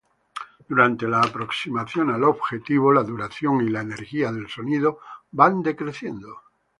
Durante la aproximación al objetivo, la duración y la energía del sonido van decreciendo.